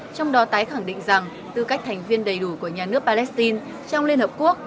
trong đó tái khẳng định rằng tư cách thành viên đầy đủ của nhà nước palestine trong liên hợp quốc